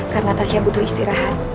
karena tasya butuh istirahat